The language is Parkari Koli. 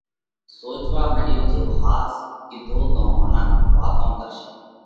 سوچوا مڏيو جي ۿاس ڪِيڌو تو منک واتون ڪرشي